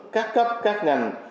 các cấp các ngành